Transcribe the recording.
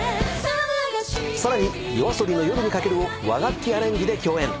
さらにＹＯＡＳＯＢＩの『夜に駆ける』を和楽器アレンジで共演。